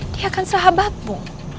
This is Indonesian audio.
dia kan sahabatmu